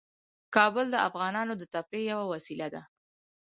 کابل د افغانانو د تفریح یوه وسیله ده.